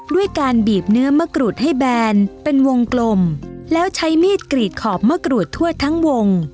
ด้วยการบีบเนื้อมะกรูดให้แบนเป็นวงกลมแล้วใช้มีดกรีดขอบมะกรูดทั่วทั้งวง